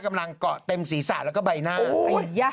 กำลังเกาะเต็มศีรษะแล้วก็ใบหน้า